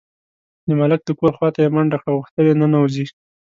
د ملک د کور خواته یې منډه کړه، غوښتل یې ننوځي.